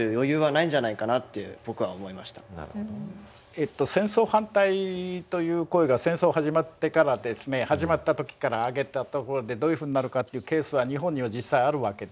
えっと戦争反対という声が戦争始まってから始まった時から上げたところでどういうふうになるかっていうケースは日本には実際あるわけで。